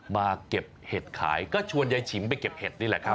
มาเก็บเห็ดขายก็ชวนยายฉิมไปเก็บเห็ดนี่แหละครับ